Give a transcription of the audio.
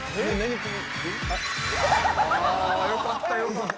ああよかったよかった。